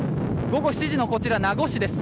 午後７時のこちら、名護市です。